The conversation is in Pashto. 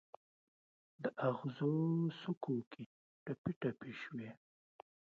د اغزو څوکو کې ټپي، ټپي شوي